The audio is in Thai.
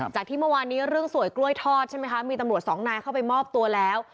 จากที่เมื่อวานนี้เรื่องสวยกล้วยทอดใช่ไหมคะมีตำรวจสองนายเข้าไปมอบตัวแล้ว